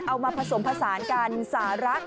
เอามาผสมผสานการสารรัก